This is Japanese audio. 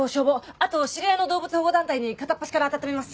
あと知り合いの動物保護団体に片っ端から当たってみます。